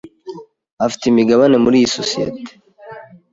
Afite imigabane muri iyi sosiyete.